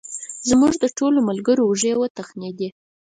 زموږ د ټولو ملګرو اوږې وتخنېدې.